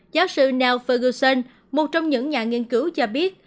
giáo sư nao ferguson một trong những nhà nghiên cứu cho biết